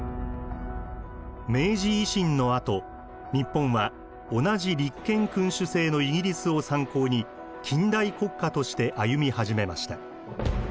明治維新のあと日本は同じ立憲君主制のイギリスを参考に近代国家として歩み始めました。